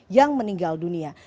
yang meninggal dunia